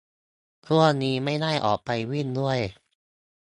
ช่วงนี้ไม่ได้ออกไปวิ่งด้วย